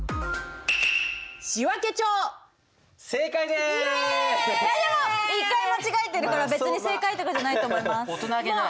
でも１回間違えてるから別に正解とかじゃないと思います。